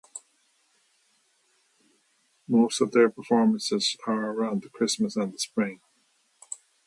Most of their performances are around Christmas and in the Spring.